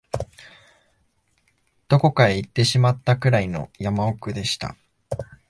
どこかへ行ってしまったくらいの山奥でした